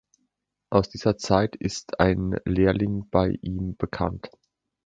Aus dieser Zeit ist ein Lehrling bei ihm bekannt.